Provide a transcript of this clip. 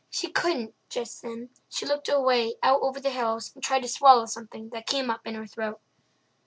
She couldn't, just then; she looked away out over the hills and tried to swallow something that came up in her throat.